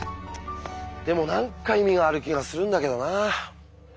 でも何か意味がある気がするんだけどなあ。